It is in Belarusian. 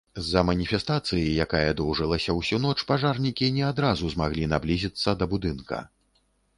З-за маніфестацыі, якая доўжылася ўсю ноч, пажарнікі не адразу змаглі наблізіцца да будынка.